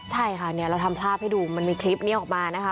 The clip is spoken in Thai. เราทำภาพให้ดูมันมีคลิปนี้ออกมานะคะ